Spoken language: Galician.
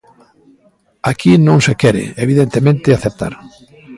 Aquí non se quere, evidentemente, aceptar.